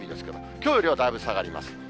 きょうよりはだいぶ下がります。